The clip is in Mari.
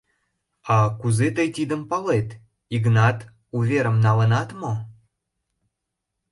— А кузе тый тидым палет, Игнат, уверым налынат мо?